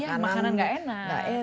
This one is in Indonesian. iya makanan gak enak